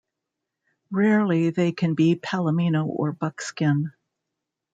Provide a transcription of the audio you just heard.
Rarely they can be Palomino or Buckskin.